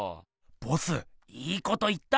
ボスいいこと言った！